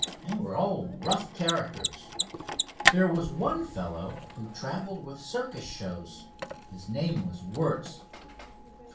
They were all rough characters. There was one fellow who traveled with circus shows. His name was Wertz.